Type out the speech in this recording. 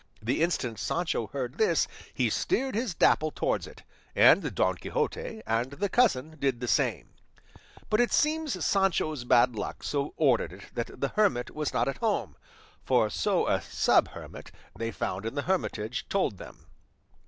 The instant Sancho heard this he steered his Dapple towards it, and Don Quixote and the cousin did the same; but it seems Sancho's bad luck so ordered it that the hermit was not at home, for so a sub hermit they found in the hermitage told them.